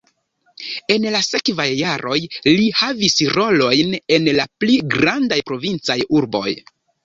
En la sekvaj jaroj li havis rolojn en la pli grandaj provincaj urboj.